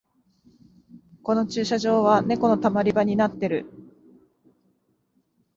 この駐車場はネコのたまり場になってる